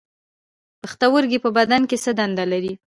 پښتورګي په بدن کې څه دنده لري